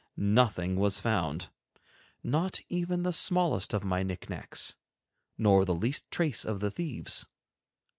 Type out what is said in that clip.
Nothing was found, not even the smallest of my knickknacks, nor the least trace of the thieves.